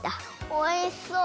おいしそう！